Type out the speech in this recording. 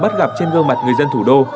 bắt gặp trên gương mặt người dân thủ đô